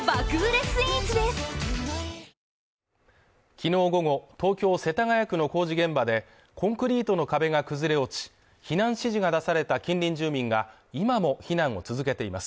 昨日午後東京・世田谷区の工事現場でコンクリートの壁が崩れ落ち避難指示が出された近隣住民が今も避難を続けています